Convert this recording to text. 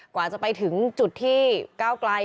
กว่าจะไปถึงจุดที่ก้าวไกล